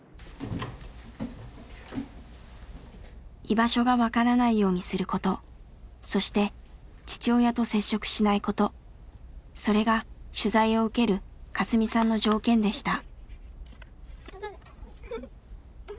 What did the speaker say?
居場所が分からないようにすることそして父親と接触しないことそれが取材を受けるカスミさんの条件でした。